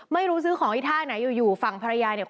ไม่รู้ซื้อของไอ้ท่าไหนอยู่อยู่ฝั่งภรรยาเนี่ย